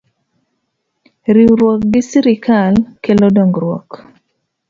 Riwruok gi Sirkal kelo dongruok